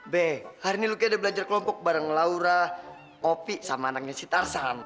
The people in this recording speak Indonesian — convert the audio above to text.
be hari ini lu kayak udah belajar kelompok bareng laura opi sama anaknya si tarzan